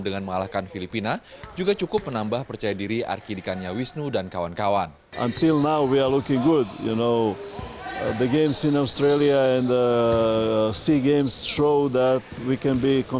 dengan mengalahkan filipina juga cukup menambah percaya diri arkidikannya wisnu dan kawan kawan